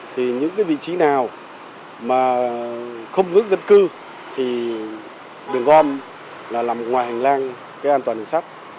thì những cái vị trí nào mà không ngưỡng dân cư thì đường gom là một ngoài hành lang cái an toàn đường sắt